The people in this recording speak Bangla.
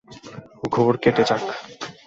ঘোর কেটে যাক।